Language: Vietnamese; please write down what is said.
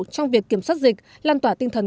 trong việc kiểm soát dịch lan tỏa tinh thần